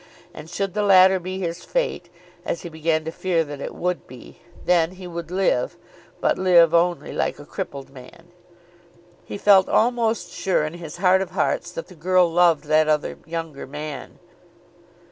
And should the latter be his fate, as he began to fear that it would be, then, he would live, but live only, like a crippled man. He felt almost sure in his heart of hearts that the girl loved that other, younger man.